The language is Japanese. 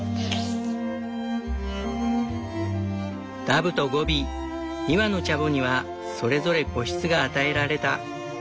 ダブとゴビ２羽のチャボにはそれぞれ個室が与えられた。